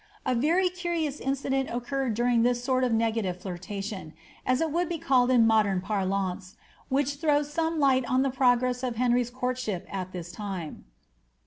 A very curious incident occurred during this sort of negative flirtation, as it would be called in modern parlance, which throws some light on the progress of Henry's courtship at this time.